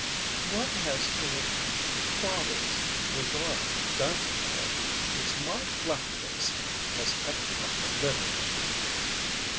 "What has her father's regard done for her? It's my black face has kept her like a lily!"